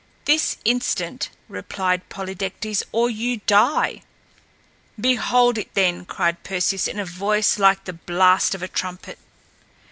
"This instant," repeated Polydectes, "or you die!" "Behold it then!" cried Perseus in a voice like the blast of a trumpet.